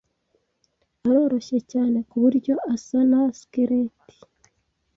Aroroshye cyane kuburyo asa na skeleti.